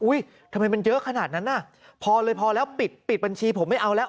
ทำไมมันเยอะขนาดนั้นน่ะพอเลยพอแล้วปิดปิดบัญชีผมไม่เอาแล้ว